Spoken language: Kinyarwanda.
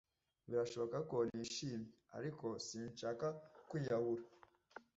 Birashoboka ko ntishimye, ariko sinshaka kwiyahura.